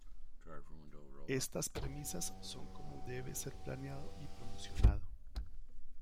Estas premisas son como debe ser planeado y promocionado.